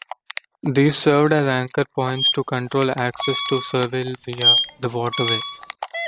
These served as anchor points to control access to Seville via the waterway.